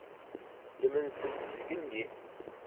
Ddment-tent zgelli.